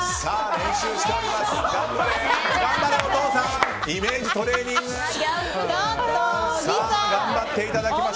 練習しております。